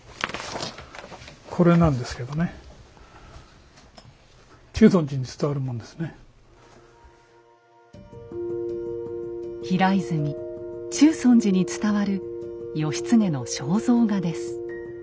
これなんですけどね平泉中尊寺に伝わる義経の肖像画です。